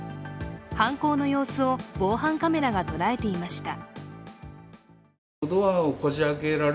犯行の様子を防犯カメラが捉えていました。